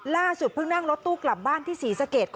ล่าสุดเพิ่งนั่งรถตู้กลับบ้านที่ศรีสะเกด